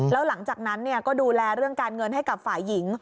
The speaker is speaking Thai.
แล้วหลังจากนั้นก็ดูแลเรื่องการเงินให้กับฝ่ายหญิง